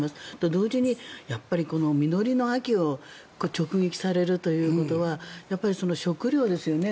同時に、実りの秋を直撃されるということは食料ですよね